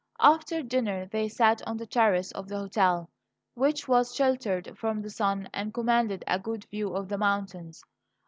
After dinner they sat on the terrace of the hotel, which was sheltered from the sun and commanded a good view of the mountains.